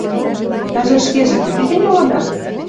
Тӓжӹ ӹшкежӹ кӱ техень ылыда?